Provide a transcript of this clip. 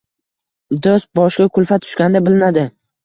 Do’st boshga kulfat tushganda bilinadi.